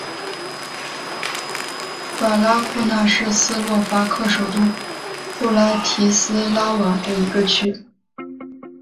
瓦拉库纳是斯洛伐克首都布拉提斯拉瓦的一个区。